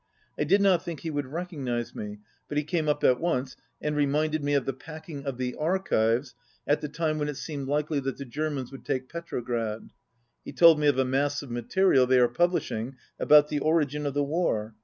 I did not think he would recognize me, but he came up at once, and reminded me of the packing of the archives at the time when it seemed likely that the Germans would take Petrograd. He told me of a mass of material they are publishing about the origin of the war.